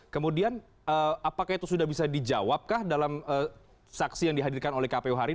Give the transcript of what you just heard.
kemudian apakah itu sudah bisa dijawab kah dalam saksi yang dihadirkan oleh kpu hari ini